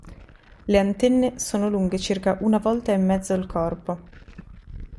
Le antenne sono lunghe circa una volta e mezzo il corpo.